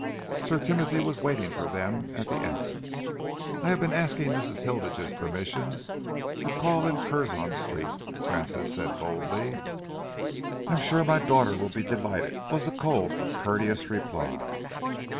Sir Timothy was waiting for them at the entrance. "I have been asking Mrs. Hilditch's permission to call in Curzon Street," Francis said boldly. "I am sure my daughter will be delighted," was the cold but courteous reply.